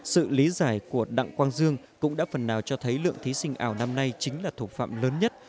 sự lý giải của đặng quang dương cũng đã phần nào cho thấy lượng thí sinh ảo năm nay chính là thủ phạm lớn nhất